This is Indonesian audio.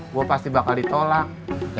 gue pasti bakal ditolak